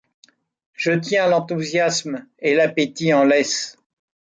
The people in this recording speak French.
Je tiens l’enthousiasme et l’appétit en laisse ;